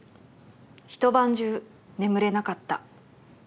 「一晩中眠れなかった」